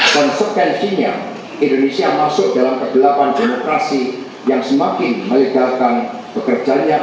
dan sekensinya indonesia masuk dalam kegelapan demokrasi yang semakin meninggalkan pekerjaannya